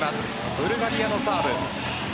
ブルガリアのサーブ。